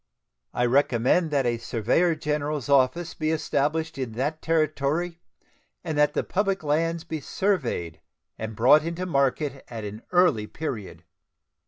I recommend that a surveyor general's office be established in that Territory, and that the public lands be surveyed and brought into market at an early period.